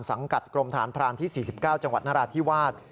สังกัดกรมฐานพรานที่๔๙จังหวัดนราธิวาส